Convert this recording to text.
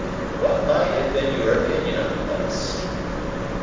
"What might have been your opinion of the place?"